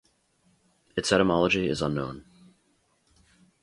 Its etymology is unknown.